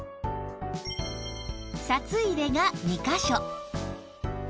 札入れが２カ所